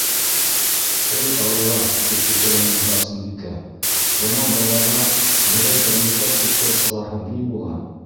«Эй Алла, - тип өтәләнде Барсынбикә, - бынау балаға берәй тәмлекәс тоттороп сығарһам ни була?!»